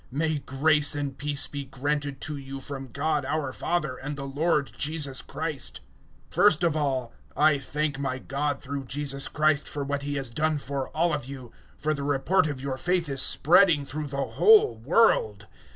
May grace and peace be granted to you from God our Father and the Lord Jesus Christ. 001:008 First of all, I thank my God through Jesus Christ for what He has done for all of you; for the report of your faith is spreading through the whole world.